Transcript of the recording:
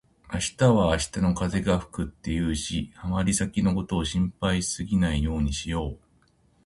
「明日は明日の風が吹く」って言うし、あまり先のことを心配しすぎないようにしよう。